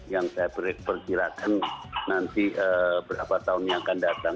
yang saya persirakan nanti berapa tahunnya akan datang